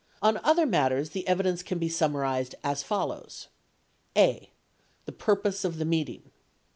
On other matters, the evidence can be summarized as follows : (a) The purpose of the meeting.